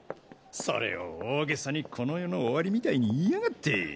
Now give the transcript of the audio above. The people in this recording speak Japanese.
それを大げさにこの世の終わりみたいに言いやがって。